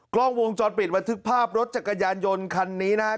กล้องวงจรปิดบันทึกภาพรถจักรยานยนต์คันนี้นะครับ